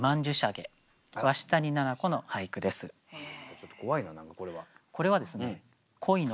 ちょっと怖いな何かこれは。